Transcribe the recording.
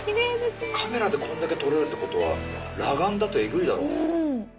カメラでこんだけ撮れるってことは裸眼だとえぐいだろうね。